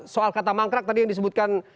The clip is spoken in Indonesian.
soal kata mangkrak tadi yang disebutkan